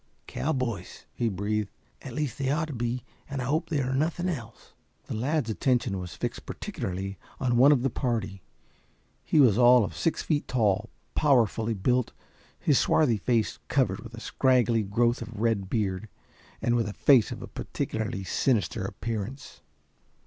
"Cowboys," he breathed. "At least they ought to be and I hope they are nothing else." The lad's attention was fixed particularly on one of the party. He was all of six feet tall, powerfully built, his swarthy face covered with a scraggly growth of red beard, and with a face of a peculiarly sinister appearance.